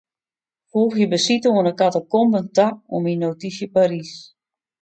Foegje besite oan 'e katakomben ta oan myn notysje Parys.